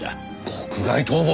国外逃亡！